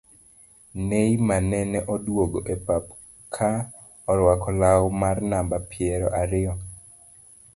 Neymar nene odwogo e pap ka orwako lau mar namba piero ariyo